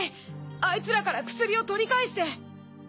あいつらから薬を取り返して！